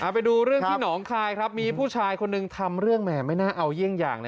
ไปดูเรื่องที่หนองคลายมีผู้ชายคนหนึ่งทำเรื่อง